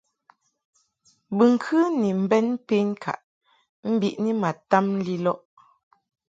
Bɨŋkɨ ni mbɛn penkaʼ mbiʼni ma tam lilɔʼ.